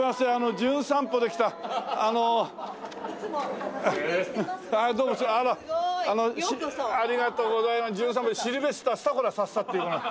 『じゅん散歩』でシルベスター・スタコラサッサっていう者で。